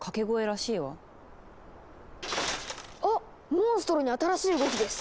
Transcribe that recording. モンストロに新しい動きです。